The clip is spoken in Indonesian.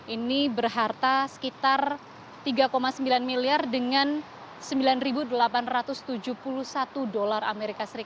ini berharta sekitar rp tiga sembilan miliar dengan rp sembilan delapan ratus tujuh puluh satu dolar as